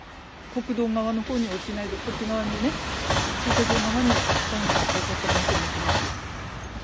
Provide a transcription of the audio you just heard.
国道側のほうに落ちないで、こっち側にね、駐車場側に落ちたのがよかったなと思ってます。